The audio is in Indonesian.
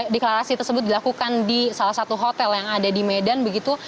deklarasi tersebut dilakukan di salah satu hotel yang ada di medan begitu